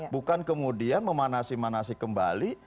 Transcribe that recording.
bukan kemudian memanasi manasi kembali